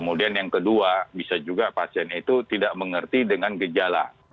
kemudian yang kedua bisa juga pasien itu tidak mengerti dengan gejala